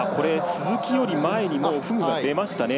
鈴木より前にフグが出ましたね。